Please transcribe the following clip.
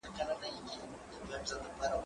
زه اجازه لرم چي سفر وکړم؟